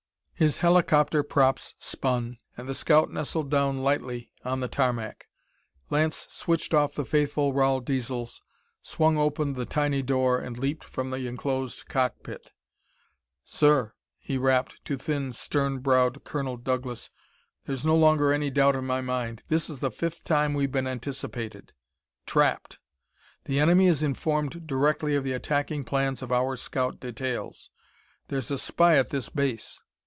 His helicopter props spun, and the scout nestled down lightly on the tarmac. Lance switched off the faithful Rahl Diesels, swung open the tiny door and leaped from the enclosed cockpit. "Sir," he rapped to thin, stern browed Colonel Douglas, "there's no longer any doubt in my mind. This is the fifth time we've been anticipated trapped! The enemy is informed directly of the attacking plans of our scout details. There's a spy at this base!"